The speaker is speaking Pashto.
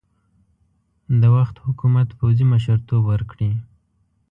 د وخت حکومت پوځي مشرتوب ورکړي.